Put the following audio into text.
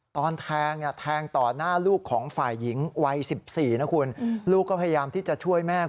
ตอนแทงแทงต่อหน้าลูกของฝ่ายหญิงวัย๑๔นะคุณลูกก็พยายามที่จะช่วยแม่